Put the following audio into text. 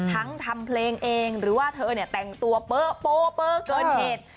ทั้งทำเพลงเองหรือว่าเธอเนี่ยแต่งตัวเปอ๊ะโป๊ะเกินเพจ